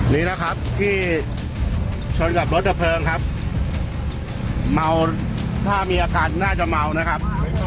นี่นะครับที่ชนกับรถดับเพลิงครับเมาถ้ามีอาการน่าจะเมานะครับ